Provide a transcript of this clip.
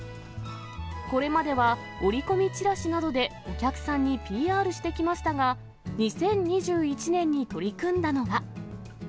これまでは、折り込みチラシなどでお客さんにＰＲしてきましたが、２０２１年に取り組んだのは。